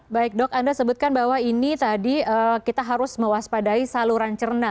baik dok anda sebutkan bahwa ini tadi kita harus mewaspadai saluran cerna